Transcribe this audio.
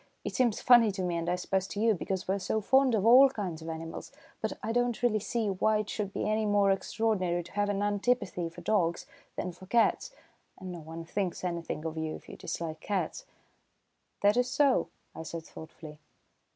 It seems funny to me, and I suppose to you, because we're so fond of all kinds of animals; but I don't really see why it should be any more extraordinary to have an antipathy for dogs than for cats, and no one thinks anything of it if you dislike cats." "That is so," I said thoughtfully.